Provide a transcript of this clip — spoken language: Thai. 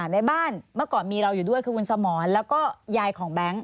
ในบ้านเมื่อก่อนมีเราอยู่ด้วยคือคุณสมรแล้วก็ยายของแบงค์